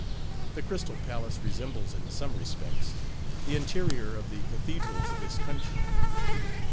The Crystal Palace resembles in some respects, the interior of the cathedrals of this country.